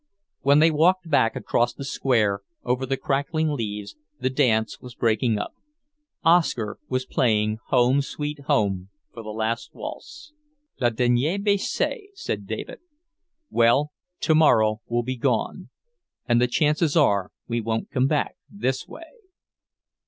When they walked back across the square, over the crackling leaves, the dance was breaking up. Oscar was playing "Home, Sweet Home," for the last waltz. "Le dernier baiser," said David. "Well, tomorrow we'll be gone, and the chances are we won't come back this way."